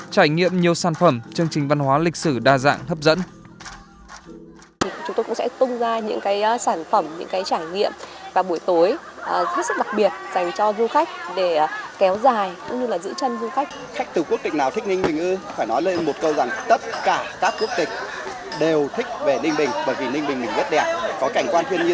trải nghiệm nhiều sản phẩm chương trình văn hóa lịch sử đa dạng hấp dẫn